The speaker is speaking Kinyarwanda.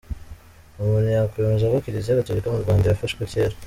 Umuntu yakwemeza ko Kiliziya Gatolika mu Rwanda yafashwe kera.